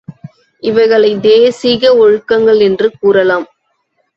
இவைகளைத் தேசீய ஒழுக்கங்கள் என்று கூறலாம்.